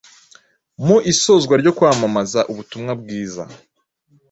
Mu isozwa ryo kwamamaza ubutumwa bwiza,